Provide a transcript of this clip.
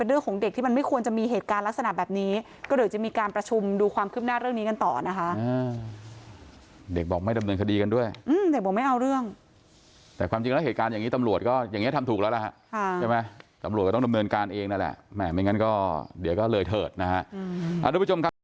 เด็กบอกไม่ดำเนินคดีกันด้วยอืมเด็กบอกไม่เอาเรื่องแต่ความจริงแล้วเหตุการณ์อย่างงี้ตำรวจก็อย่างเงี้ยทำถูกแล้วละฮะใช่ไหมตำลวจก็ต้องดำเนินการเองนั่นแหละไม่งั้นก็เดี๋ยวก็เลยเหิดนะฮะอ่ะทุกวันประจำครับ